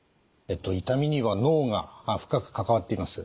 痛みには脳が深く関わっています。